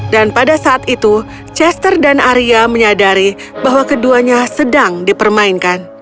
pada saat itu chester dan arya menyadari bahwa keduanya sedang dipermainkan